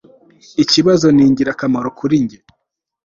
Ikibazo ni ingirakamaro kuri njye